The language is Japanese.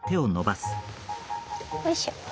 おいしょ。